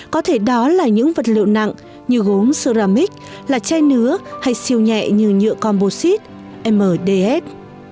có thể đó là những vật liệu nặng như gốm soramic là chai nứa hay siêu nhẹ như nhựa composite mdf